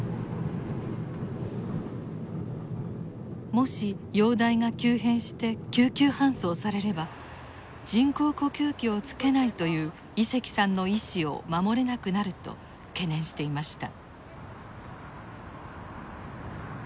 もし容体が急変して救急搬送されれば人工呼吸器をつけないという井関さんの意思を守れなくなると懸念していました。